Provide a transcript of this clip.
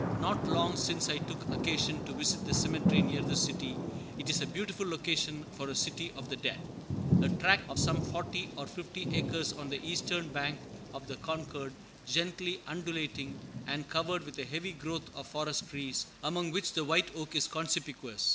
Not long since I took occasion to visit the cemetery near this city. It is a beautiful location for a "city of the dead," a tract of some forty or fifty acres on the eastern bank of the Concord, gently undulating, and covered with a heavy growth of forest trees, among which the white oak is conspicuous.